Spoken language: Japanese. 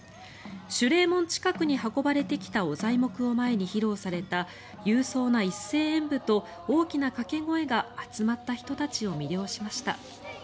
守礼門近くに運ばれてきた御材木を前に披露された勇壮な一斉演舞と大きな掛け声が集まった人たちを魅了しました。